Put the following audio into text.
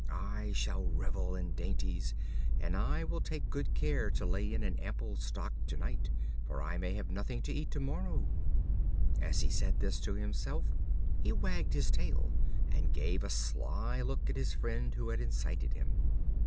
I shall revel in dainties, and I will take good care to lay in an ample stock to night, for I may have nothing to eat to morrow." As he said this to himself, he wagged his tail, and gave a sly look at his friend who had incited him.